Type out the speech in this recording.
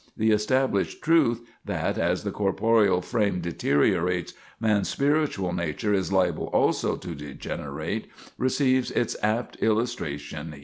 The established truth, that, as the corporeal frame deteriorates, man's spiritual nature is liable also to degenerate, receives its apt illustration here."